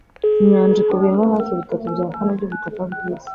inyanja ikubiyemo hafi bitatu bya kane by'ubutaka bw'isi